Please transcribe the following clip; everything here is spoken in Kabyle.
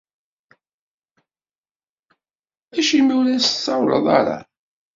Acimi ur as-tsawleḍ ara?